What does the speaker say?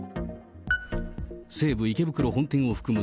西武池袋本店を含む